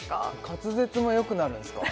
滑舌もよくなるんすか？